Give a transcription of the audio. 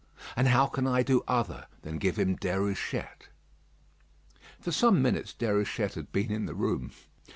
And how can I do other than give him Déruchette." For some minutes Déruchette had been in the room.